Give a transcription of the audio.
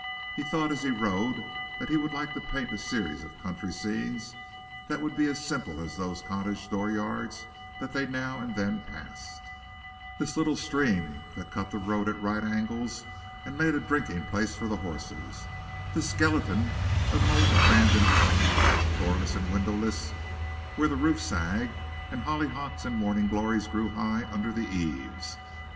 He thought as he rode that he would like to paint a series of country scenes that would be as simple as those cottage dooryards that they now and then passed; this little stream that cut the road at right angles and made a drinking place for the horses; this skeleton of an old abandoned home, doorless and windowless, where the roof sagged and hollyhocks and morning glories grew high under the eaves.